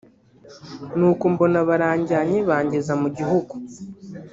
nuko mbona baranjyanye banjyeza mu gihugu